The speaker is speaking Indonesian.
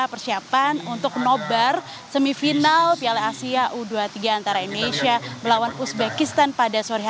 persiapan untuk nobar semifinal piala asia u dua puluh tiga antara indonesia melawan uzbekistan pada sore hari